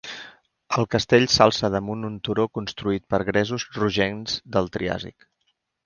El castell s'alça damunt un turó constituït per gresos rogencs del Triàsic.